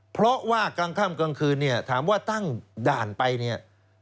เพราะว่ากลางค่ำกลางคืนถามว่าตั้งด่านไป